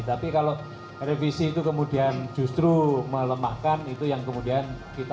tapi kalau revisi itu kemudian justru melemahkan itu yang kemudian kita